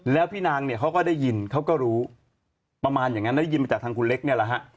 แล้วพี่นางเนี่ยเขาก็ได้ยินเขาก็รู้ประมาณอย่างนั้นได้ยินมาจากทางคุณเล็กเนี่ยแหละฮะ